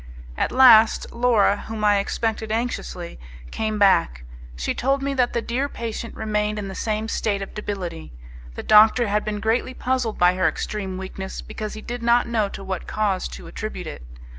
At last Laura, whom I expected anxiously, came back; she told me that the dear patient remained in the same state of debility; the doctor had been greatly puzzled by her extreme weakness because he did not know to what cause to attribute it.